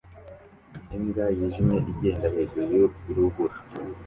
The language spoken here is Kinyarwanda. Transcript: Imbwa yijimye igenda hejuru yurubura